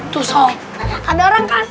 tuh sob ada orang kan